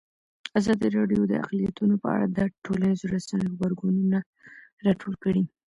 ازادي راډیو د اقلیتونه په اړه د ټولنیزو رسنیو غبرګونونه راټول کړي.